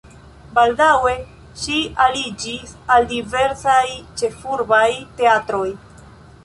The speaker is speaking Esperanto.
Baldaŭe ŝi aliĝis al diversaj ĉefurbaj teatroj.